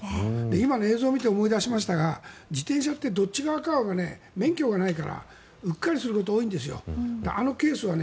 今の映像を見て思い出しましたが自転車ってどっち側か免許がないからうっかりすることが多いんです。